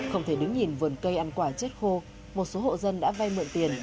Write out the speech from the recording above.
không thể đứng nhìn vườn cây ăn quả chết khô một số hộ dân đã vay mượn tiền